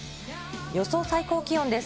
予想最高気温です。